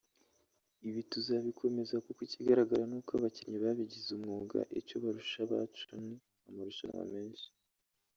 ibi tuzabikomeza kuko ikigaragara ni uko abakinnyi babigize umwuga icyo barusha abacu ni amarushanwa menshi